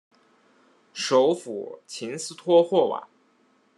首府琴斯托霍瓦。